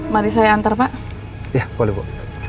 mari saya antar pak ya boleh pak